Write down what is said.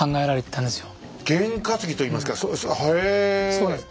そうなんです。